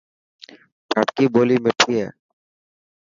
ڌاٽڪي ٻولي مٺي هي.